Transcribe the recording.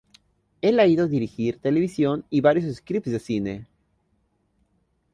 Él ha ido a dirigir televisión y varios scripts de cine.